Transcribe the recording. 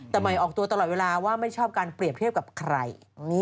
แต่ใหม่ออกตัวตลอดเวลาว่าไม่ชอบการเปรียบเทียบกับใคร